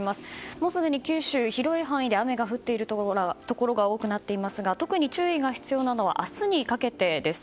もうすでに九州、広い範囲で雨が降っているところが多くなっていますが特に注意が必要なのは明日にかけてです。